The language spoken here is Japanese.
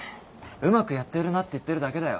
うまくやってるなって言ってるだけだよ。